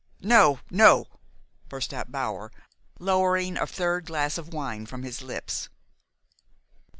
"No, no!" burst out Bower, lowering a third glass of wine from his lips.